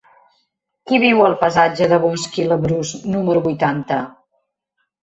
Qui viu al passatge de Bosch i Labrús número vuitanta?